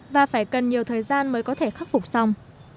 và phải cần nhiều thời gian mới có thể khắc phục xong